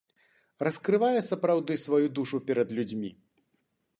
Раскрывае сапраўды сваю душу перад людзьмі.